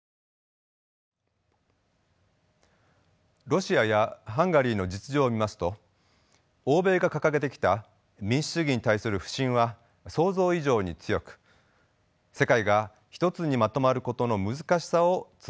ロシアやハンガリーの実情を見ますと欧米が掲げてきた民主主義に対する不信は想像以上に強く世界が一つにまとまることの難しさを痛感します。